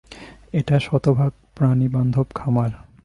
এটা শতভাগ প্রাণীবান্ধব খামার।